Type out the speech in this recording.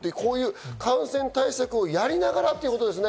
感染対策をやりながらということですね？